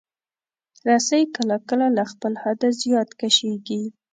رسۍ کله کله له خپل حده زیات کشېږي.